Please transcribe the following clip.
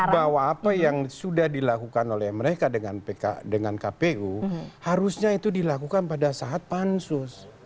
bahwa apa yang sudah dilakukan oleh mereka dengan kpu harusnya itu dilakukan pada saat pansus